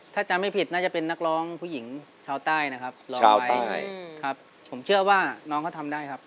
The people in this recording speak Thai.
ถ้าจำไม่ผิดน่าจะเป็นนักร้องผู้หญิงชาวใต้นะครับร้องไว้ใช่ครับผมเชื่อว่าน้องเขาทำได้ครับ